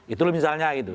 itulah misalnya gitu